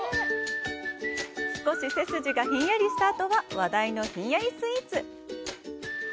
少し背筋がひんやりしたあとは、話題のひんやりスイーツ！